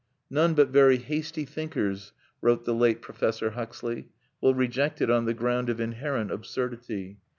"None but very hasty thinkers," wrote the late Professor Huxley, "will reject it on the ground of inherent absurdity.